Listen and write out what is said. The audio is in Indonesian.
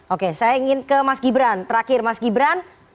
oke saya ingin ke mas gibran terakhir mas gibran